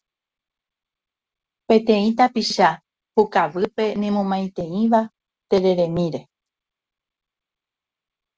peteĩ tapicha pukavýpe nemomaiteíva tereremíre.